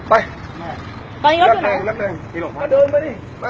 ยักษ์แรงยักษ์แรง